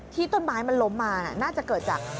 ที่ต้นไม้มันล้มมาน่าจะเกิดจาก